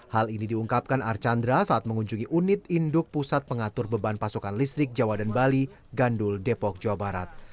hal ini diungkapkan archandra saat mengunjungi unit induk pusat pengatur beban pasokan listrik jawa dan bali gandul depok jawa barat